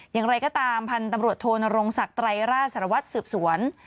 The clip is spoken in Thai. อย่างไรก็ตามพันธุ์ตำรวจโทนรงศักดิ์ไตรราชสารวัตรสืบสวน